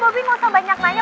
bobi gak usah banyak nanya